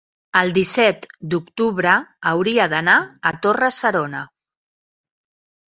el disset d'octubre hauria d'anar a Torre-serona.